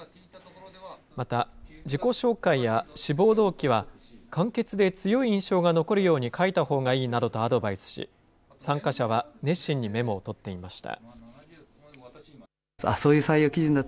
また、自己紹介や志望動機は、簡潔で強い印象が残るように書いたほうがいいなどとアドバイスし、参加者は熱心にメモを取っていました。